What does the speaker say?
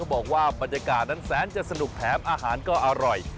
บอกว่าบรรยากาศนั้นแสนจะสนุกแถมอาหารก็อร่อย